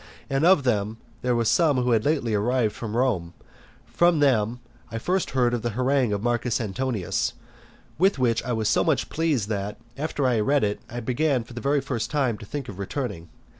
And of them there were some who had lately arrived from Rome; from them I first heard of the harangue of Marcus Antonius, with which I was so much pleased that, after I had read it, I began for the first time to think of returning.